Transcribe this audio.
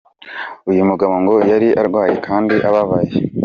Uyu mugabo ngo yari arwaye kandi ababaye.